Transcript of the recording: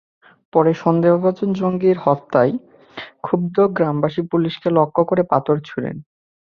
পরে সন্দেহভাজন জঙ্গির হত্যায় ক্ষুব্ধ গ্রামবাসী পুলিশকে লক্ষ্য করে পাথর ছোড়েন।